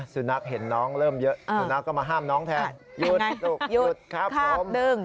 สุนัขเห็นน้องเริ่มเยอะสุนัขก็มาห้ามน้องแทนหยุดหยุดครับผม